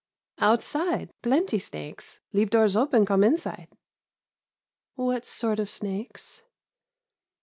"Outside, plenty snakes, leave doors open come inside." "What sort of snakes?"